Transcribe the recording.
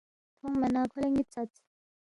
تھونگما نہ کھو لہ نِ٘ت ژھدس